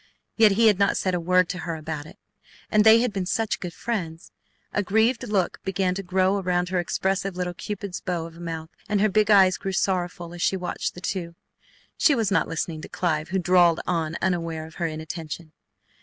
Yet he had not said a word to her about it! And they had been such good friends! A grieved look began to grow around her expressive little cupid's bow of a mouth, and her big eyes grew sorrowful as she watched the two. She was not listening to Clive, who drawled on unaware of her inattention.